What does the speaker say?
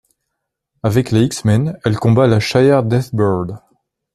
Avec les X-Men, elle combat la shi'ar Deathbird.